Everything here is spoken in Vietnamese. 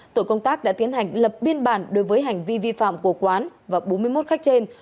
tổ công tác đã tiến hành lập biên bản đối với hành vi vi phạm của quán và bốn mươi một khách trên